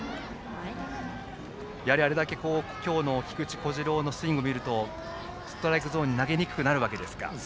あれだけ今日の菊池虎志朗のスイングを見るとストライクゾーンに投げにくくなるわけですか。